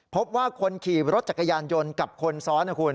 พบว่าคนขี่รถจักรยานยนต์กับคนซ้อนนะคุณ